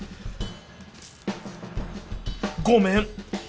ごめん。